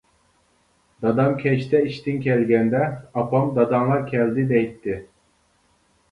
دادام كەچتە ئىشتىن كەلگەندە ئاپام داداڭلار كەلدى دەيتتى.